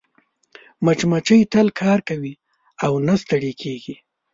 مچمچۍ تل کار کوي او نه ستړې کېږي